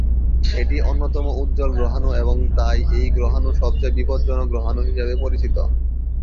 এটি অন্যতম উজ্জ্বল গ্রহাণু এবং তাই এই গ্রহাণু সবচেয়ে বিপজ্জনক গ্রহাণু হিসাবে পরিচিত।